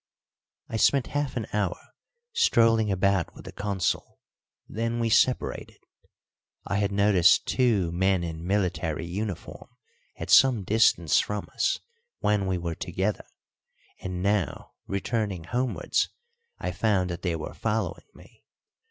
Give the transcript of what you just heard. I spent half an hour strolling about with the Consul, then we separated. I had noticed two men in military uniform at some distance from us when we were together, and now, returning homewards, I found that they were following me.